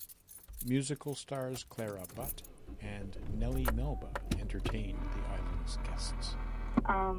Musical stars Clara Butt and Nellie Melba entertained the island's guests.